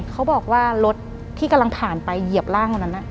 เขาบอกว่ารถที่กำลังผ่านไปเหยียบร่างวันนั้น